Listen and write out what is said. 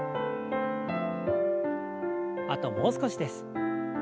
あともう少しです。